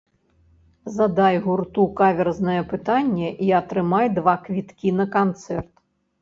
Задай гурту каверзнае пытанне і атрымай два квіткі на канцэрт!